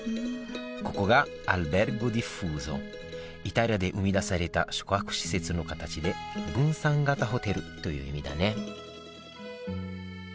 ここがイタリアで生み出された宿泊施設の形で「分散型ホテル」という意味だね